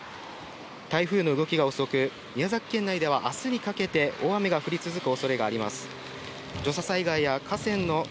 台風の動きが遅く、宮崎県内ではあすにかけて大雨が降り続くおそれがあります。